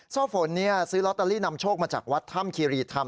โซ่ฝนซื้อลอตเตอรี่นำโชคมาจากวัดถ้ำคีรีธรรม